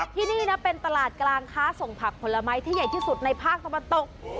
ที่นี่นะเป็นตลาดกลางค้าส่งผักผลไม้ที่ใหญ่ที่สุดในภาคตะวันตก